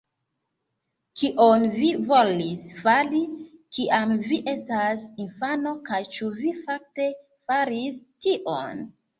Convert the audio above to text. Kion vi volis fari kiam vi estas infano kaj ĉu vi fakte faris tion?